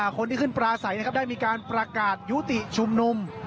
คนที่ขึ้นปลาใสนะครับได้มีการประกาศยุติชุมนุม